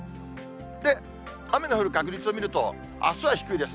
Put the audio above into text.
で、雨の降る確率を見ると、あすは低いです。